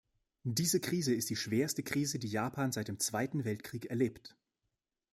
Diese Krise ist die schwerste Krise, die Japan seit dem Zweiten Weltkrieg erlebt.